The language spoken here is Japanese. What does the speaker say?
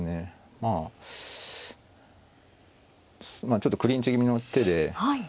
まあちょっとクリンチ気味の手で。